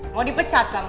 mau dipecat kamu